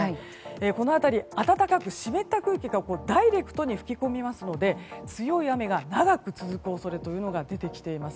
この辺り暖かく湿った空気がダイレクトに吹き込みますので強い雨が長く続く恐れが出てきています。